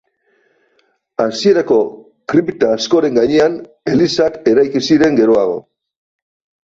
Hasierako kripta askoren gainean elizak eraiki ziren geroago.